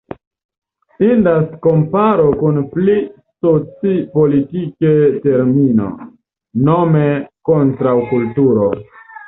Indas komparo kun pli soci-politike termino, nome Kontraŭkulturo.